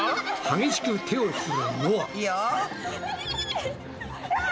激しく手を振るのあ。